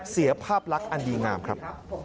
เสียภาพลักษณ์อันดีงามครับ